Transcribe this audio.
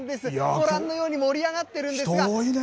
ご覧のように盛り上がってるんで人多いね。